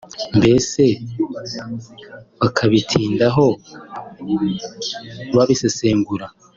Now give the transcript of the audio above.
mbese bakabitindaho babisesengura